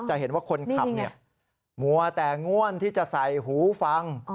จะเห็นว่าคนขับมัวแต่ง่วนที่จะใส่หูฟัง